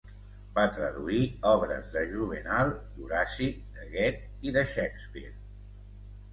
Va traduir obres de Juvenal, d'Horaci, de Goethe i de Shakespeare.